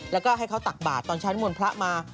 แล้วก็ให้เขาตักบาทตอนชั้นมวลพระมา